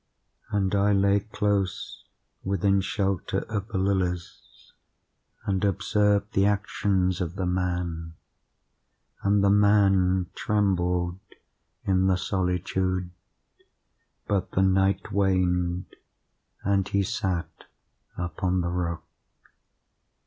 And I lay close within shelter of the lilies, and observed the actions of the man. And the man trembled in the solitude;—but the night waned, and he sat upon the rock.